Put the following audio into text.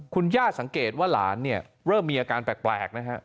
คุณย่าสังเกตว่าหลานเนี่ยเริ่มมีอาการแปลกนะฮะ